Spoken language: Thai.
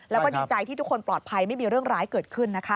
แล้วก็ดีใจที่ทุกคนปลอดภัยไม่มีเรื่องร้ายเกิดขึ้นนะคะ